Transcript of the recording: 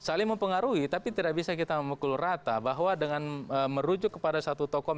saling mempengaruhi tapi tidak bisa kita memukul rata bahwa dengan merujuk kepada satu tokoh